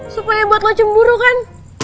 supaya buat lo cemburu kan